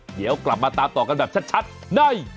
เดี๋ยวกลับมาตามต่อกันแบบชัดใน